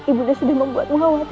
ibu nda sudah membuat muawat